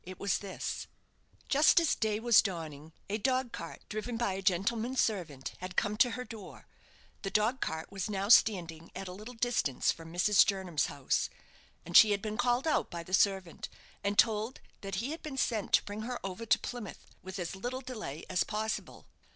It was this: Just as day was dawning, a dog cart, driven by a gentleman's servant, had come to her door the dog cart was now standing at a little distance from Mrs. Jernam's house and she had been called out by the servant, and told that he had been sent to bring her over to Plymouth, with as little delay as possible.